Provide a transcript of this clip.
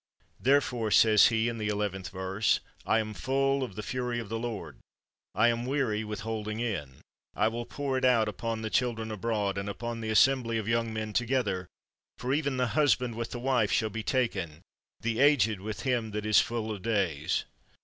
'' Therefore, '' says he, in the elev enth verse, '' I am full of the fury of the Lord ; I am weary with holding in ; I will pour it out upon the children abroad, and upon the assembly of young men together; for even the husband with the wife shall be taken, the aged with him that is full of days.